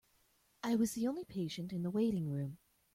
I was the only patient in the waiting room.